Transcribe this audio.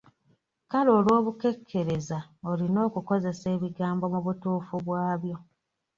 Kale olw'obukekkereza olina okukozesa ebigambo mu butuufu bwabyo.